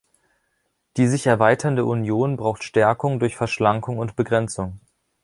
Die sich erweiternde Union braucht Stärkung durch Verschlankung und Begrenzung.